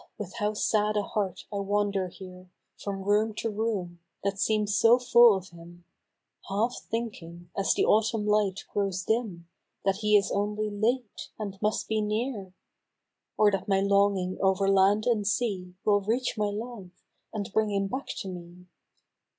with how sad a heart I wander here, From room to room, that seem so full of him, Half thinking, as the Autumn light grows dim, That he is only late, and must be near ! Or that my longing over land and sea Will reach my love, and bring him back to me